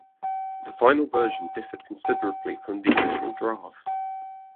The final version differed considerably from the original draft.